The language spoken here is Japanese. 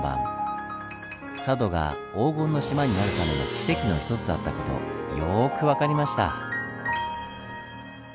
佐渡が「黄金の島」になるためのキセキの一つだった事よく分かりました。